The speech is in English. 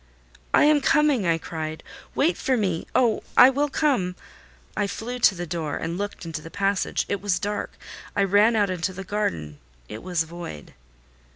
"I am coming!" I cried. "Wait for me! Oh, I will come!" I flew to the door and looked into the passage: it was dark. I ran out into the garden: it was void.